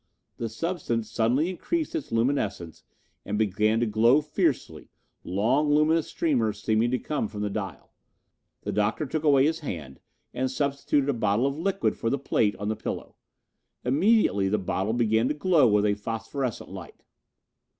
The substance suddenly increased its luminescence and began to glow fiercely, long luminous streamers seeming to come from the dial. The Doctor took away his hand and substituted a bottle of liquid for the plate on the pillow. Immediately the bottle began to glow with a phosphorescent light.